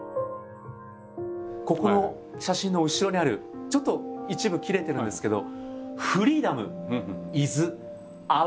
ここの写真の後ろにあるちょっと一部切れてるんですけど。